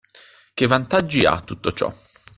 Che vantaggi ha tutto ciò?